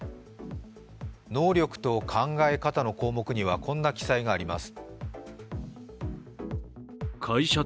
「能力と考え方」の項目にはこんな記載があります。